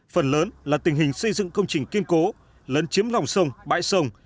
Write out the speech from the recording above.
phần lớn là tình hình xây dựng công trình kiên cố lấn chiếm lòng sông bãi sông